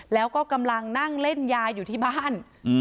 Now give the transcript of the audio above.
แล้วก็กำลังนั่งเล่นยาอยู่ที่บ้าน